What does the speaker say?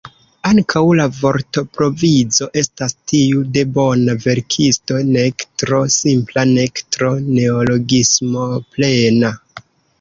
Ankaŭ la vortoprovizo estas tiu de bona verkisto, nek tro simpla nek tro neologismoplena.